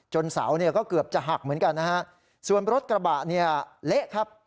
เสาเนี่ยก็เกือบจะหักเหมือนกันนะฮะส่วนรถกระบะเนี่ยเละครับ